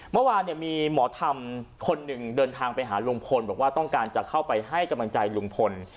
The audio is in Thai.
เมื่อวานมีหมอธรรมคนหนึ่งเดินทางไปหาลุงพลบอกว่าต้องการจะเข้าไปให้กำลังใจลุงพล